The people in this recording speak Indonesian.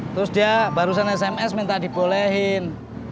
terus dia barusan sms minta dibolehin